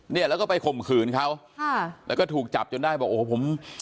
เนี่ยแล้วก็ไปข่มขืนเขาค่ะแล้วก็ถูกจับจนได้บอกโอ้โหผม